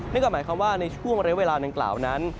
นั่นก็หมายความว่าในช่วงเรียกเวลาดังกล่าวนั้น